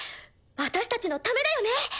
私たちのためだよね。